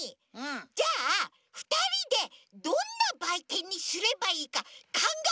じゃあふたりでどんなばいてんにすればいいかかんがえよう！